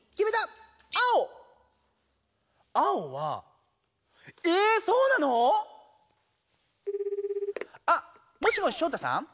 青はええっそうなの⁉あっもしもしショウタさん？